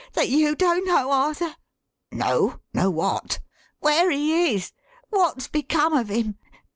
That you don't know either?" "Know? Know what?" "Where he is wot's become of him?